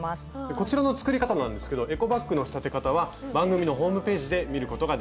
こちらの作り方なんですけどエコバッグの仕立て方は番組のホームページで見ることができます。